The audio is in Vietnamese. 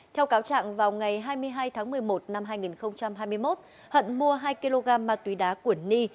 theo cáo trạng vào ngày hai mươi hai tháng một mươi một năm hai nghìn hai mươi một hận mua hai kg ma túy đá của ni